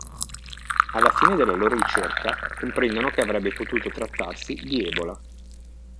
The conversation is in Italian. Alla fine della loro ricerca comprendono che avrebbe potuto trattarsi di ebola.